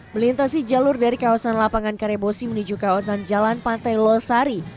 melintasi jalur dari kawasan lapangan karebosi menuju kawasan jalan pantai losari